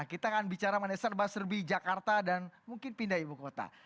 kita akan bicara mengenai serba serbi jakarta dan mungkin pindah ibu kota